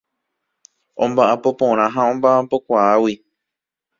Omba'apo porã ha omba'apokuaágui.